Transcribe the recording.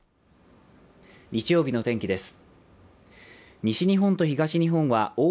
日曜日の天気です。